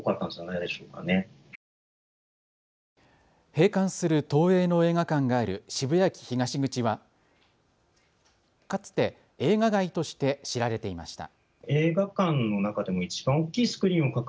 閉館する東映の映画館がある渋谷駅東口はかつて映画街として知られていました。